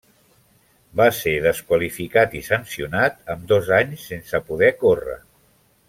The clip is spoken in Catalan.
Va ser desqualificat i sancionat amb dos anys sense poder córrer.